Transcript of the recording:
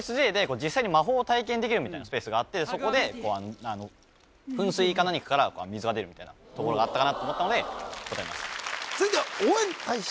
ＵＳＪで実際に魔法を体験できるみたいなスペースがあってそこで噴水か何かから水が出るみたいなところがあったかなと思ったので答えました